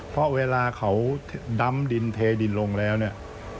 เพราะเวลาเขาดำดินเทดินลงแล้วเนี่ย